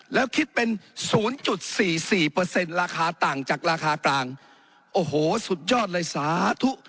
แล้วคิดเป็น๐๔๔ราคาต่างจากราคากลางโอ้โหสุดยอดเลยสาธุ